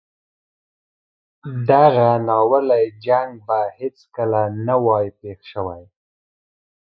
دغه ناولی جنګ به هیڅکله نه وای پېښ شوی.